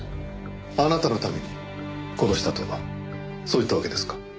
あなたのために殺したとそう言ったわけですか。